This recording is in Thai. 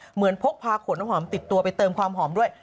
พกพาขนน้ำหอมติดตัวไปเติมความหอมด้วย